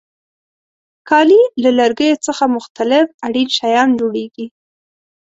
کالي له لرګیو څخه مختلف اړین شیان جوړیږي.